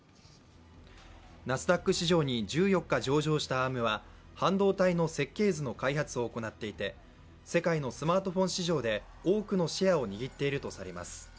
ナスダック市場に１４日上場したアームは半導体の設計図の開発を行っていて世界のスマートフォン市場で多くのシェアを握っているとされます。